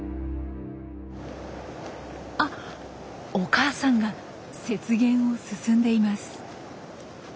あお母さんが雪原を進んでいます。